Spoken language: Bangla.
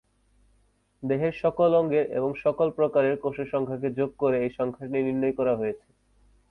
দেহের সকল অঙ্গের এবং সকল প্রকারের কোষের সংখ্যাকে যোগ করে এই সংখ্যাটি নির্ণয় করা হয়েছে।